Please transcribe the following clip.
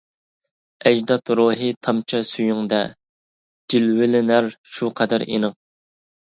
ئەجداد روھى تامچە سۈيۈڭدە، جىلۋىلىنەر شۇ قەدەر ئېنىق.